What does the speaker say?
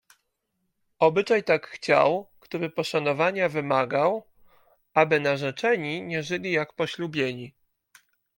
"Obyczaj tak chciał, który poszanowania wymagał, aby narzeczeni nie żyli jak poślubieni."